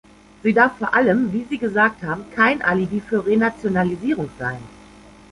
Sie darf vor allem wie Sie gesagt haben kein Alibi für Renationalisierung sein.